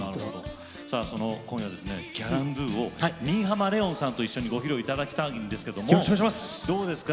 今夜は「ギャランドゥ」を新浜レオンさんと一緒にご披露いただくんですがどうですか？